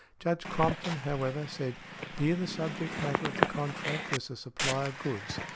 Judge Crompton, however, said: "Here the subject matter of the contract was the supply of goods.